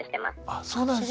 あそうなんですね。